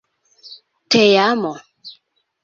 teamo